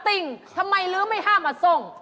อติ่งทำไมลืมให้ห้ามอส้ง